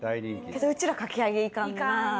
けどうちらかき揚げいかんな。